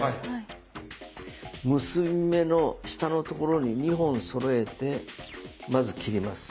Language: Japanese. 結び目の下のところに２本そろえてまず切ります。